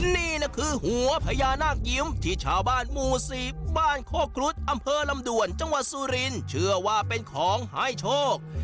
นี่นะคือหัวพญานาคยิ้มที่ชาวบ้านหมู่สี่บ้านโคครุฑอำเภอลำด่วนจังหวัดสุรินทร์เชื่อว่าเป็นของให้โชค